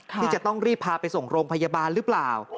ที่จะต้องรีบพาไปส่งโรงพยาบาลหรือเปล่า